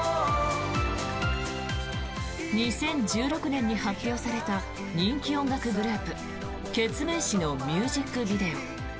２０１６年に発表された人気音楽グループ、ケツメイシのミュージックビデオ。